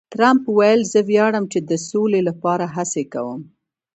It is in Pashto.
ټرمپ وویل، زه ویاړم چې د سولې لپاره هڅې کوم.